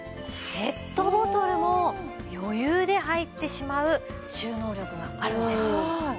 ペットボトルも余裕で入ってしまう収納力があるんです。